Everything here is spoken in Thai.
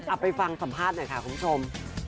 เอาไปฟังสัมภาษณ์หน่อยค่ะคุณผู้ชม